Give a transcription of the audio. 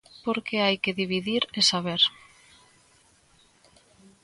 Porque hai que dividir e saber.